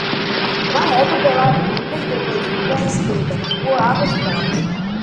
Vá reto pela Avenida e depois vire à esquerda, na Rua das Águas Claras.